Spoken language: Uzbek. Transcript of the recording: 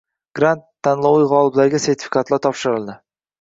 Grant tanlovi g‘oliblariga sertifikatlar topshirildi